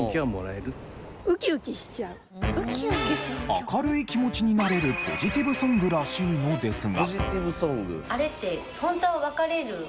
明るい気持ちになれるポジティブソングらしいのですが。